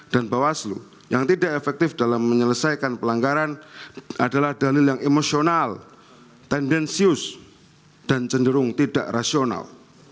dan bawaslu yang tidak efektif dalam menyelesaikan pelanggaran adalah dalil yang emosional tendensius dan cenderung tidak rasional